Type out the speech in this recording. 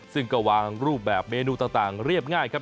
ซึ่งก็วางรูปแบบเมนูต่างเรียบง่ายครับ